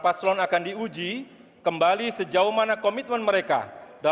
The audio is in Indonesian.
maturnuun pak jono yang sudah mendidik